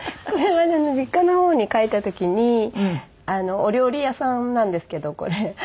これは実家の方に帰った時にお料理屋さんなんですけどこれ。